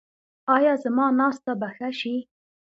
ایا زما ناسته به ښه شي؟